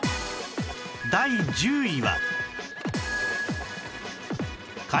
第１０位は